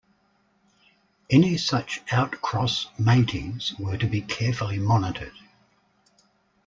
Any such outcross matings were to be carefully monitored.